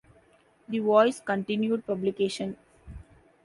The "Voice" continued publication.